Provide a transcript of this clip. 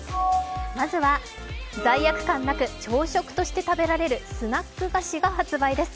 まずは、罪悪感なく朝食として食べられるスナック菓子が発売です。